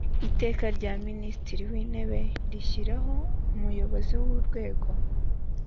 iteka rya minisitiri w intebe rishyiraho umuybozi w urwego